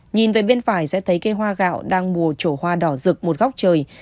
nhìn về bên phải sẽ thấy cây hoa gạo đang mùa trổ hoa đỏ rực một góc trời